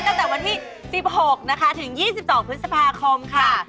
ตั้งแต่วันที่๑๖นะคะถึง๒๒พฤษภาคมค่ะ